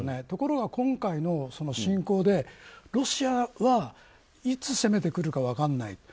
ところが今回の侵攻でロシアはいつ攻めてくるか分からない